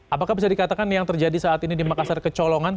apakah bisa dikatakan yang terjadi saat ini di makassar kecolongan